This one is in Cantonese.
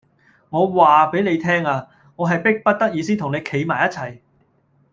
我話俾你聽啊，我係逼不得已先同你企埋一齊